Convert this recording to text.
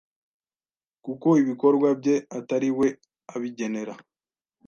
kuko ibikorwa bye atari we abigenera,